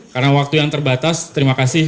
karena waktu yang terbatas terima kasih